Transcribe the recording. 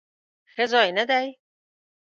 ښه ځای نه دی؟